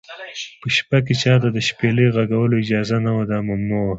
په شپه کې چا ته د شپېلۍ غږولو اجازه نه وه، دا ممنوع و.